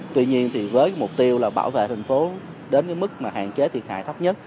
tuy nhiên thì với mục tiêu là bảo vệ thành phố đến cái mức mà hạn chế thiệt hại thấp nhất